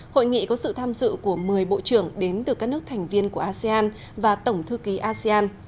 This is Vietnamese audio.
hội nghị có sự tham dự của một mươi bộ trưởng đến từ các nước thành viên của asean và tổng thư ký asean